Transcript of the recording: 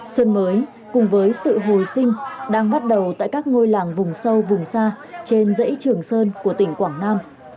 xuân mới cùng với sự hồi sinh đang bắt đầu tại các ngôi làng vùng sâu vùng xa trên dãy trường sơn của tỉnh quảng nam